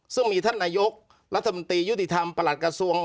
ซึ่งมีท่านนายกรัฐมนตรียุติธรรมประหลัดกระทรวง